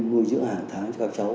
ngươi giữ hàng tháng cho các cháu